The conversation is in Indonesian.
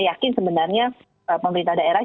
yakin sebenarnya pemerintah daerah